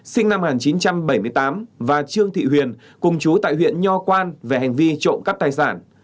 sinh năm một nghìn chín trăm bảy mươi tám và trương thị huyền cùng chú tại huyện nho quan về hành vi trộm cắp tài sản